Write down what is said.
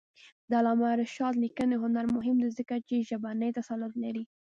د علامه رشاد لیکنی هنر مهم دی ځکه چې ژبنی تسلط لري.